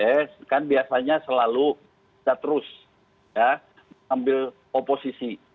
pks kan biasanya selalu tidak terus ambil oposisi